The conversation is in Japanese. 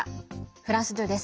フランス２です。